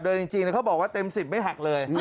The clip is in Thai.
จริงเขาบอกว่าเต็ม๑๐ไม่หักเลย